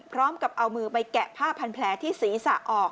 พร้อมกับเอามือไปแกะผ้าพันแผลที่ศีรษะออก